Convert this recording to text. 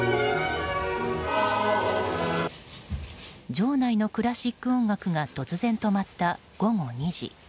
場内のクラシック音楽が突然止まった、午後２時。